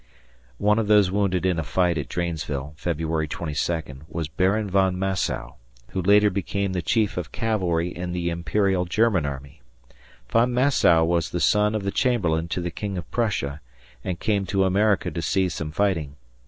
[One of those wounded in a fight at Dranesville, February 22, was Baron von Massow, who later became the Chief of Cavalry in the Imperial German Army. Von Massow was the son of the chamberlain to the King of Prussia and came to America to see some fighting.